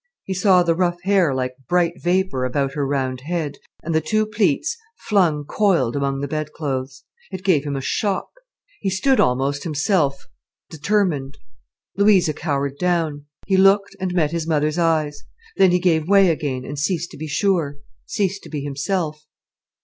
He saw the rough hair like bright vapour about her round head, and the two plaits flung coiled among the bedclothes. It gave him a shock. He stood almost himself, determined. Louisa cowered down. He looked, and met his mother's eyes. Then he gave way again, and ceased to be sure, ceased to be himself.